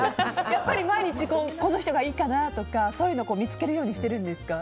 やっぱり毎日この人がいいかなとかそういうのを見つけるようにしているんですか。